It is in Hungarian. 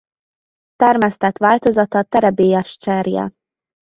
Termesztett változata terebélyes cserje.